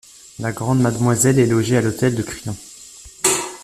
La Grande Mademoiselle est logée à l'hôtel de Crillon.